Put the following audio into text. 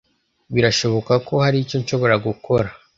Birashoboka ko hari icyo nshobora gukora.